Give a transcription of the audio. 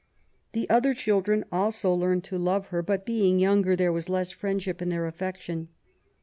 The other children also learned to love her, but being younger there was less friendship in their affection.